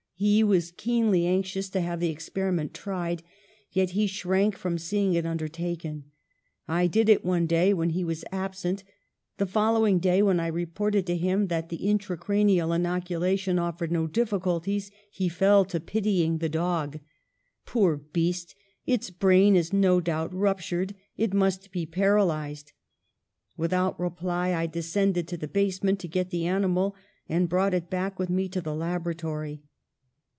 He was keenly anxious to have the experiment tried, yet he shrank from seeing it undertaken. I did it one day when he was absent. The fol lowing day, when I reported to him that the intracranial inoculation offered no difficulties, he fell to pitying the dog :" 'Poor beast! Its brain is no doubt rup tured ; it must be paralysed.' ^'Without reply, I descended to the basement to get the animal, and brought it back with me to the laboratory.